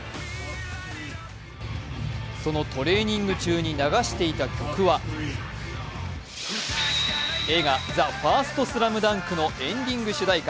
そのトレーニング中に流していた曲は映画「ＴＨＥＦＩＲＳＴＳＬＡＭＤＵＮＫ」のエンディング主題歌